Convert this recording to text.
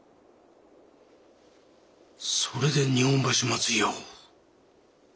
それで日本橋松井屋を？